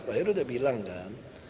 pak heru sudah bilang kan